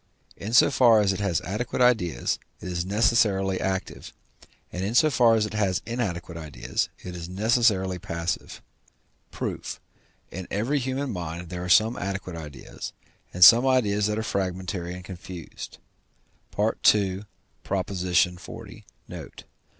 In so far as it has adequate ideas it is necessarily active, and in so far as it has inadequate ideas, it is necessarily passive. Proof. In every human mind there are some adequate ideas, and some ideas that are fragmentary and confused (II. xl. note).